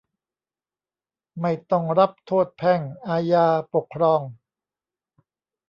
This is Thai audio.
ไม่ต้องรับโทษแพ่ง อาญา ปกครอง